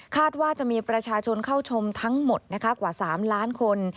ว่าจะมีประชาชนเข้าชมทั้งหมดกว่า๓ล้านคน